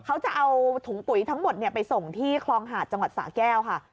เขาจะเอาถุงปุ๋ยทั้งหมดไปส่งที่คลองหาดจังหวัดสาแก้วค่ะ